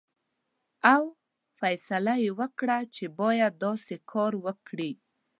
او فیصله یې وکړه چې باید داسې کار وکړي.